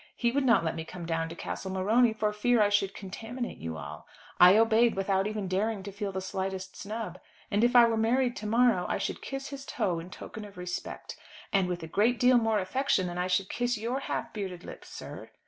He would not let me come down to Castle Morony for fear I should contaminate you all. I obeyed without even daring to feel the slightest snub, and if I were married to morrow, I should kiss his toe in token of respect, and with a great deal more affection than I should kiss your half bearded lips, sir."